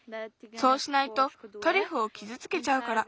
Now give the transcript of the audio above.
そうしないとトリュフをきずつけちゃうから。